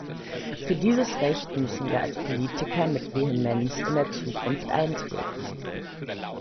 Für dieses Recht müssen wir als Politiker mit Vehemenz in der Zukunft eintreten.